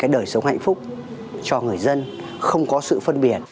đời sống hạnh phúc cho người dân không có sự phân biệt